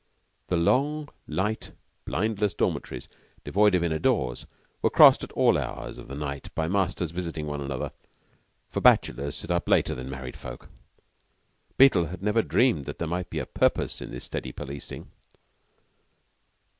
The long, light, blindless dormitories, devoid of inner doors, were crossed at all hours of the night by masters visiting one another; for bachelors sit up later than married folk. Beetle had never dreamed that there might be a purpose in this steady policing.